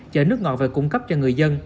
chở nước ngọt về cung cấp cho người dân